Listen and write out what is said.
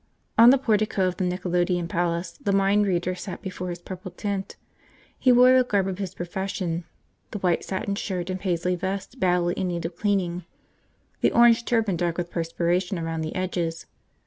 On the portico of the Nickelodeon Palace the mind reader sat before his purple tent. He wore the garb of his profession, the white satin shirt and Paisley vest badly in need of cleaning, the orange turban dark with perspiration around the edges.